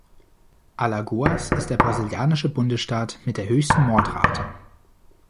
Alagoas ist der brasilianische Bundesstaat mit der höchsten Mordrate.